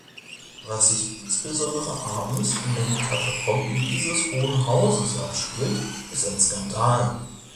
Was sich insbesondere abends in den Katakomben dieses Hohen Hauses abspielt, ist ein Skandal.